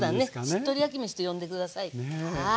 しっとり焼きめしと呼んで下さい。